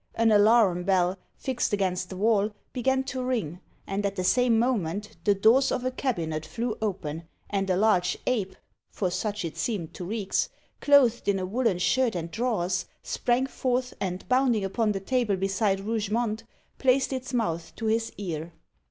An alarum bell, fixed against the wall, began to ring, and at the same moment the doors of a cabinet flew open, and a large ape (for such it seemed to Reeks), clothed in a woollen shirt and drawers, sprang forth, and bounding upon the table beside Rougemont, placed its mouth to his ear.